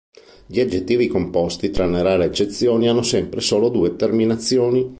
Gli aggettivi composti, tranne rare eccezioni hanno sempre solo due terminazioni.